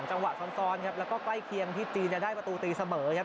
จังหวะซ้อนครับแล้วก็ใกล้เคียงที่จีนจะได้ประตูตีเสมอครับ